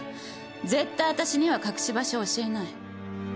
絶対私には隠し場所を教えない。